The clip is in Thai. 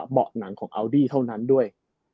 เบาะหนังของอาร์ดี้เท่านั้นด้วย